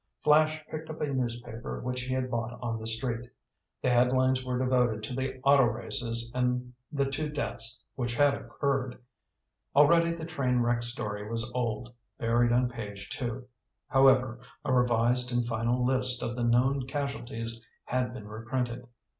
Flash picked up a newspaper which he had bought on the street. The headlines were devoted to the auto races and the two deaths which had occurred. Already the train wreck story was old, buried on page two. However, a revised and final list of the known casualties had been reprinted.